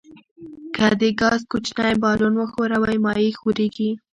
که د ګاز کوچنی بالون وښوروئ مایع ښوریږي.